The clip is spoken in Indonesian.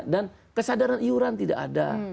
dan kesadaran iuran tidak ada